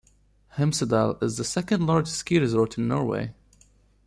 Hemsedal is the second largest ski resort in Norway.